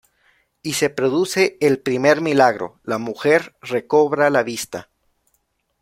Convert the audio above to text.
Y se produce el primer milagro: la mujer recobra la vista.